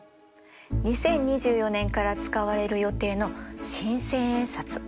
２０２４年から使われる予定の新千円札。